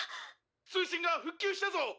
「通信が復旧したぞ！」